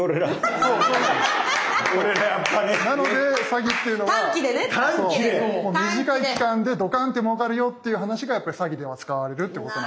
でもなので詐欺っていうのは短い期間でドカンってもうかるよっていう話がやっぱり詐欺では使われるってことなんですよね。